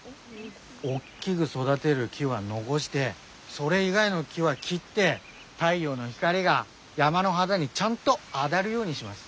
大きぐ育でる木は残してそれ以外の木は切って太陽の光が山の肌にちゃんと当だるようにします。